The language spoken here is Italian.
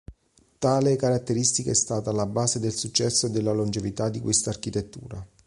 Tale caratteristica è stata alla base del successo e della longevità di questa architettura.